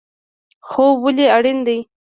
خوب ولې اړین دی؟